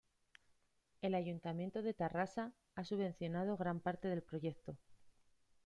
El Ayuntamiento de Tarrasa ha subvencionado gran parte del proyecto.